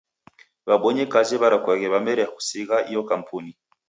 W'abonyi kazi w'erekoo w'ameria kusigha iyo kampuni.